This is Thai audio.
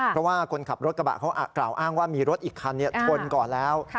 เพราะว่าคนขับรถกระบะเขากล่าวอ้างว่ามีรถอีกคันชนก่อนแล้ว